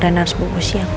rena harus pukul siang